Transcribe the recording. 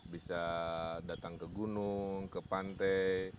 bisa datang ke gunung ke pantai